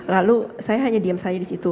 lalu saya hanya diam saja disitu